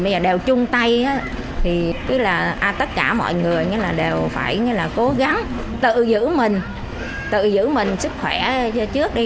bây giờ đều chung tay tất cả mọi người đều phải cố gắng tự giữ mình tự giữ mình sức khỏe trước đi